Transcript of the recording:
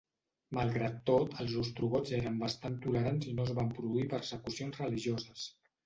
Malgrat tot, els ostrogots eren bastant tolerants i no es van produir persecucions religioses.